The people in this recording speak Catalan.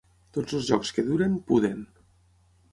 Tots els jocs que duren, puden.